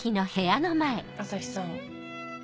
朝陽さん